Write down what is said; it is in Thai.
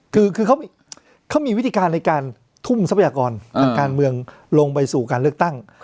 คือเขามีวิธีการในการทุ่มทรัพยากรทางการเมืองลงไปสู่การเลือกตั้ง